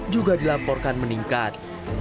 juga dilaporkan meningkat